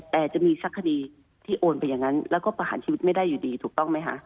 แต่จะมีสักคดีที่โอนไปอย่างนั้นแล้วก็ประหารชีวิตไม่ได้อยู่ดีถูกต้องไหมคะ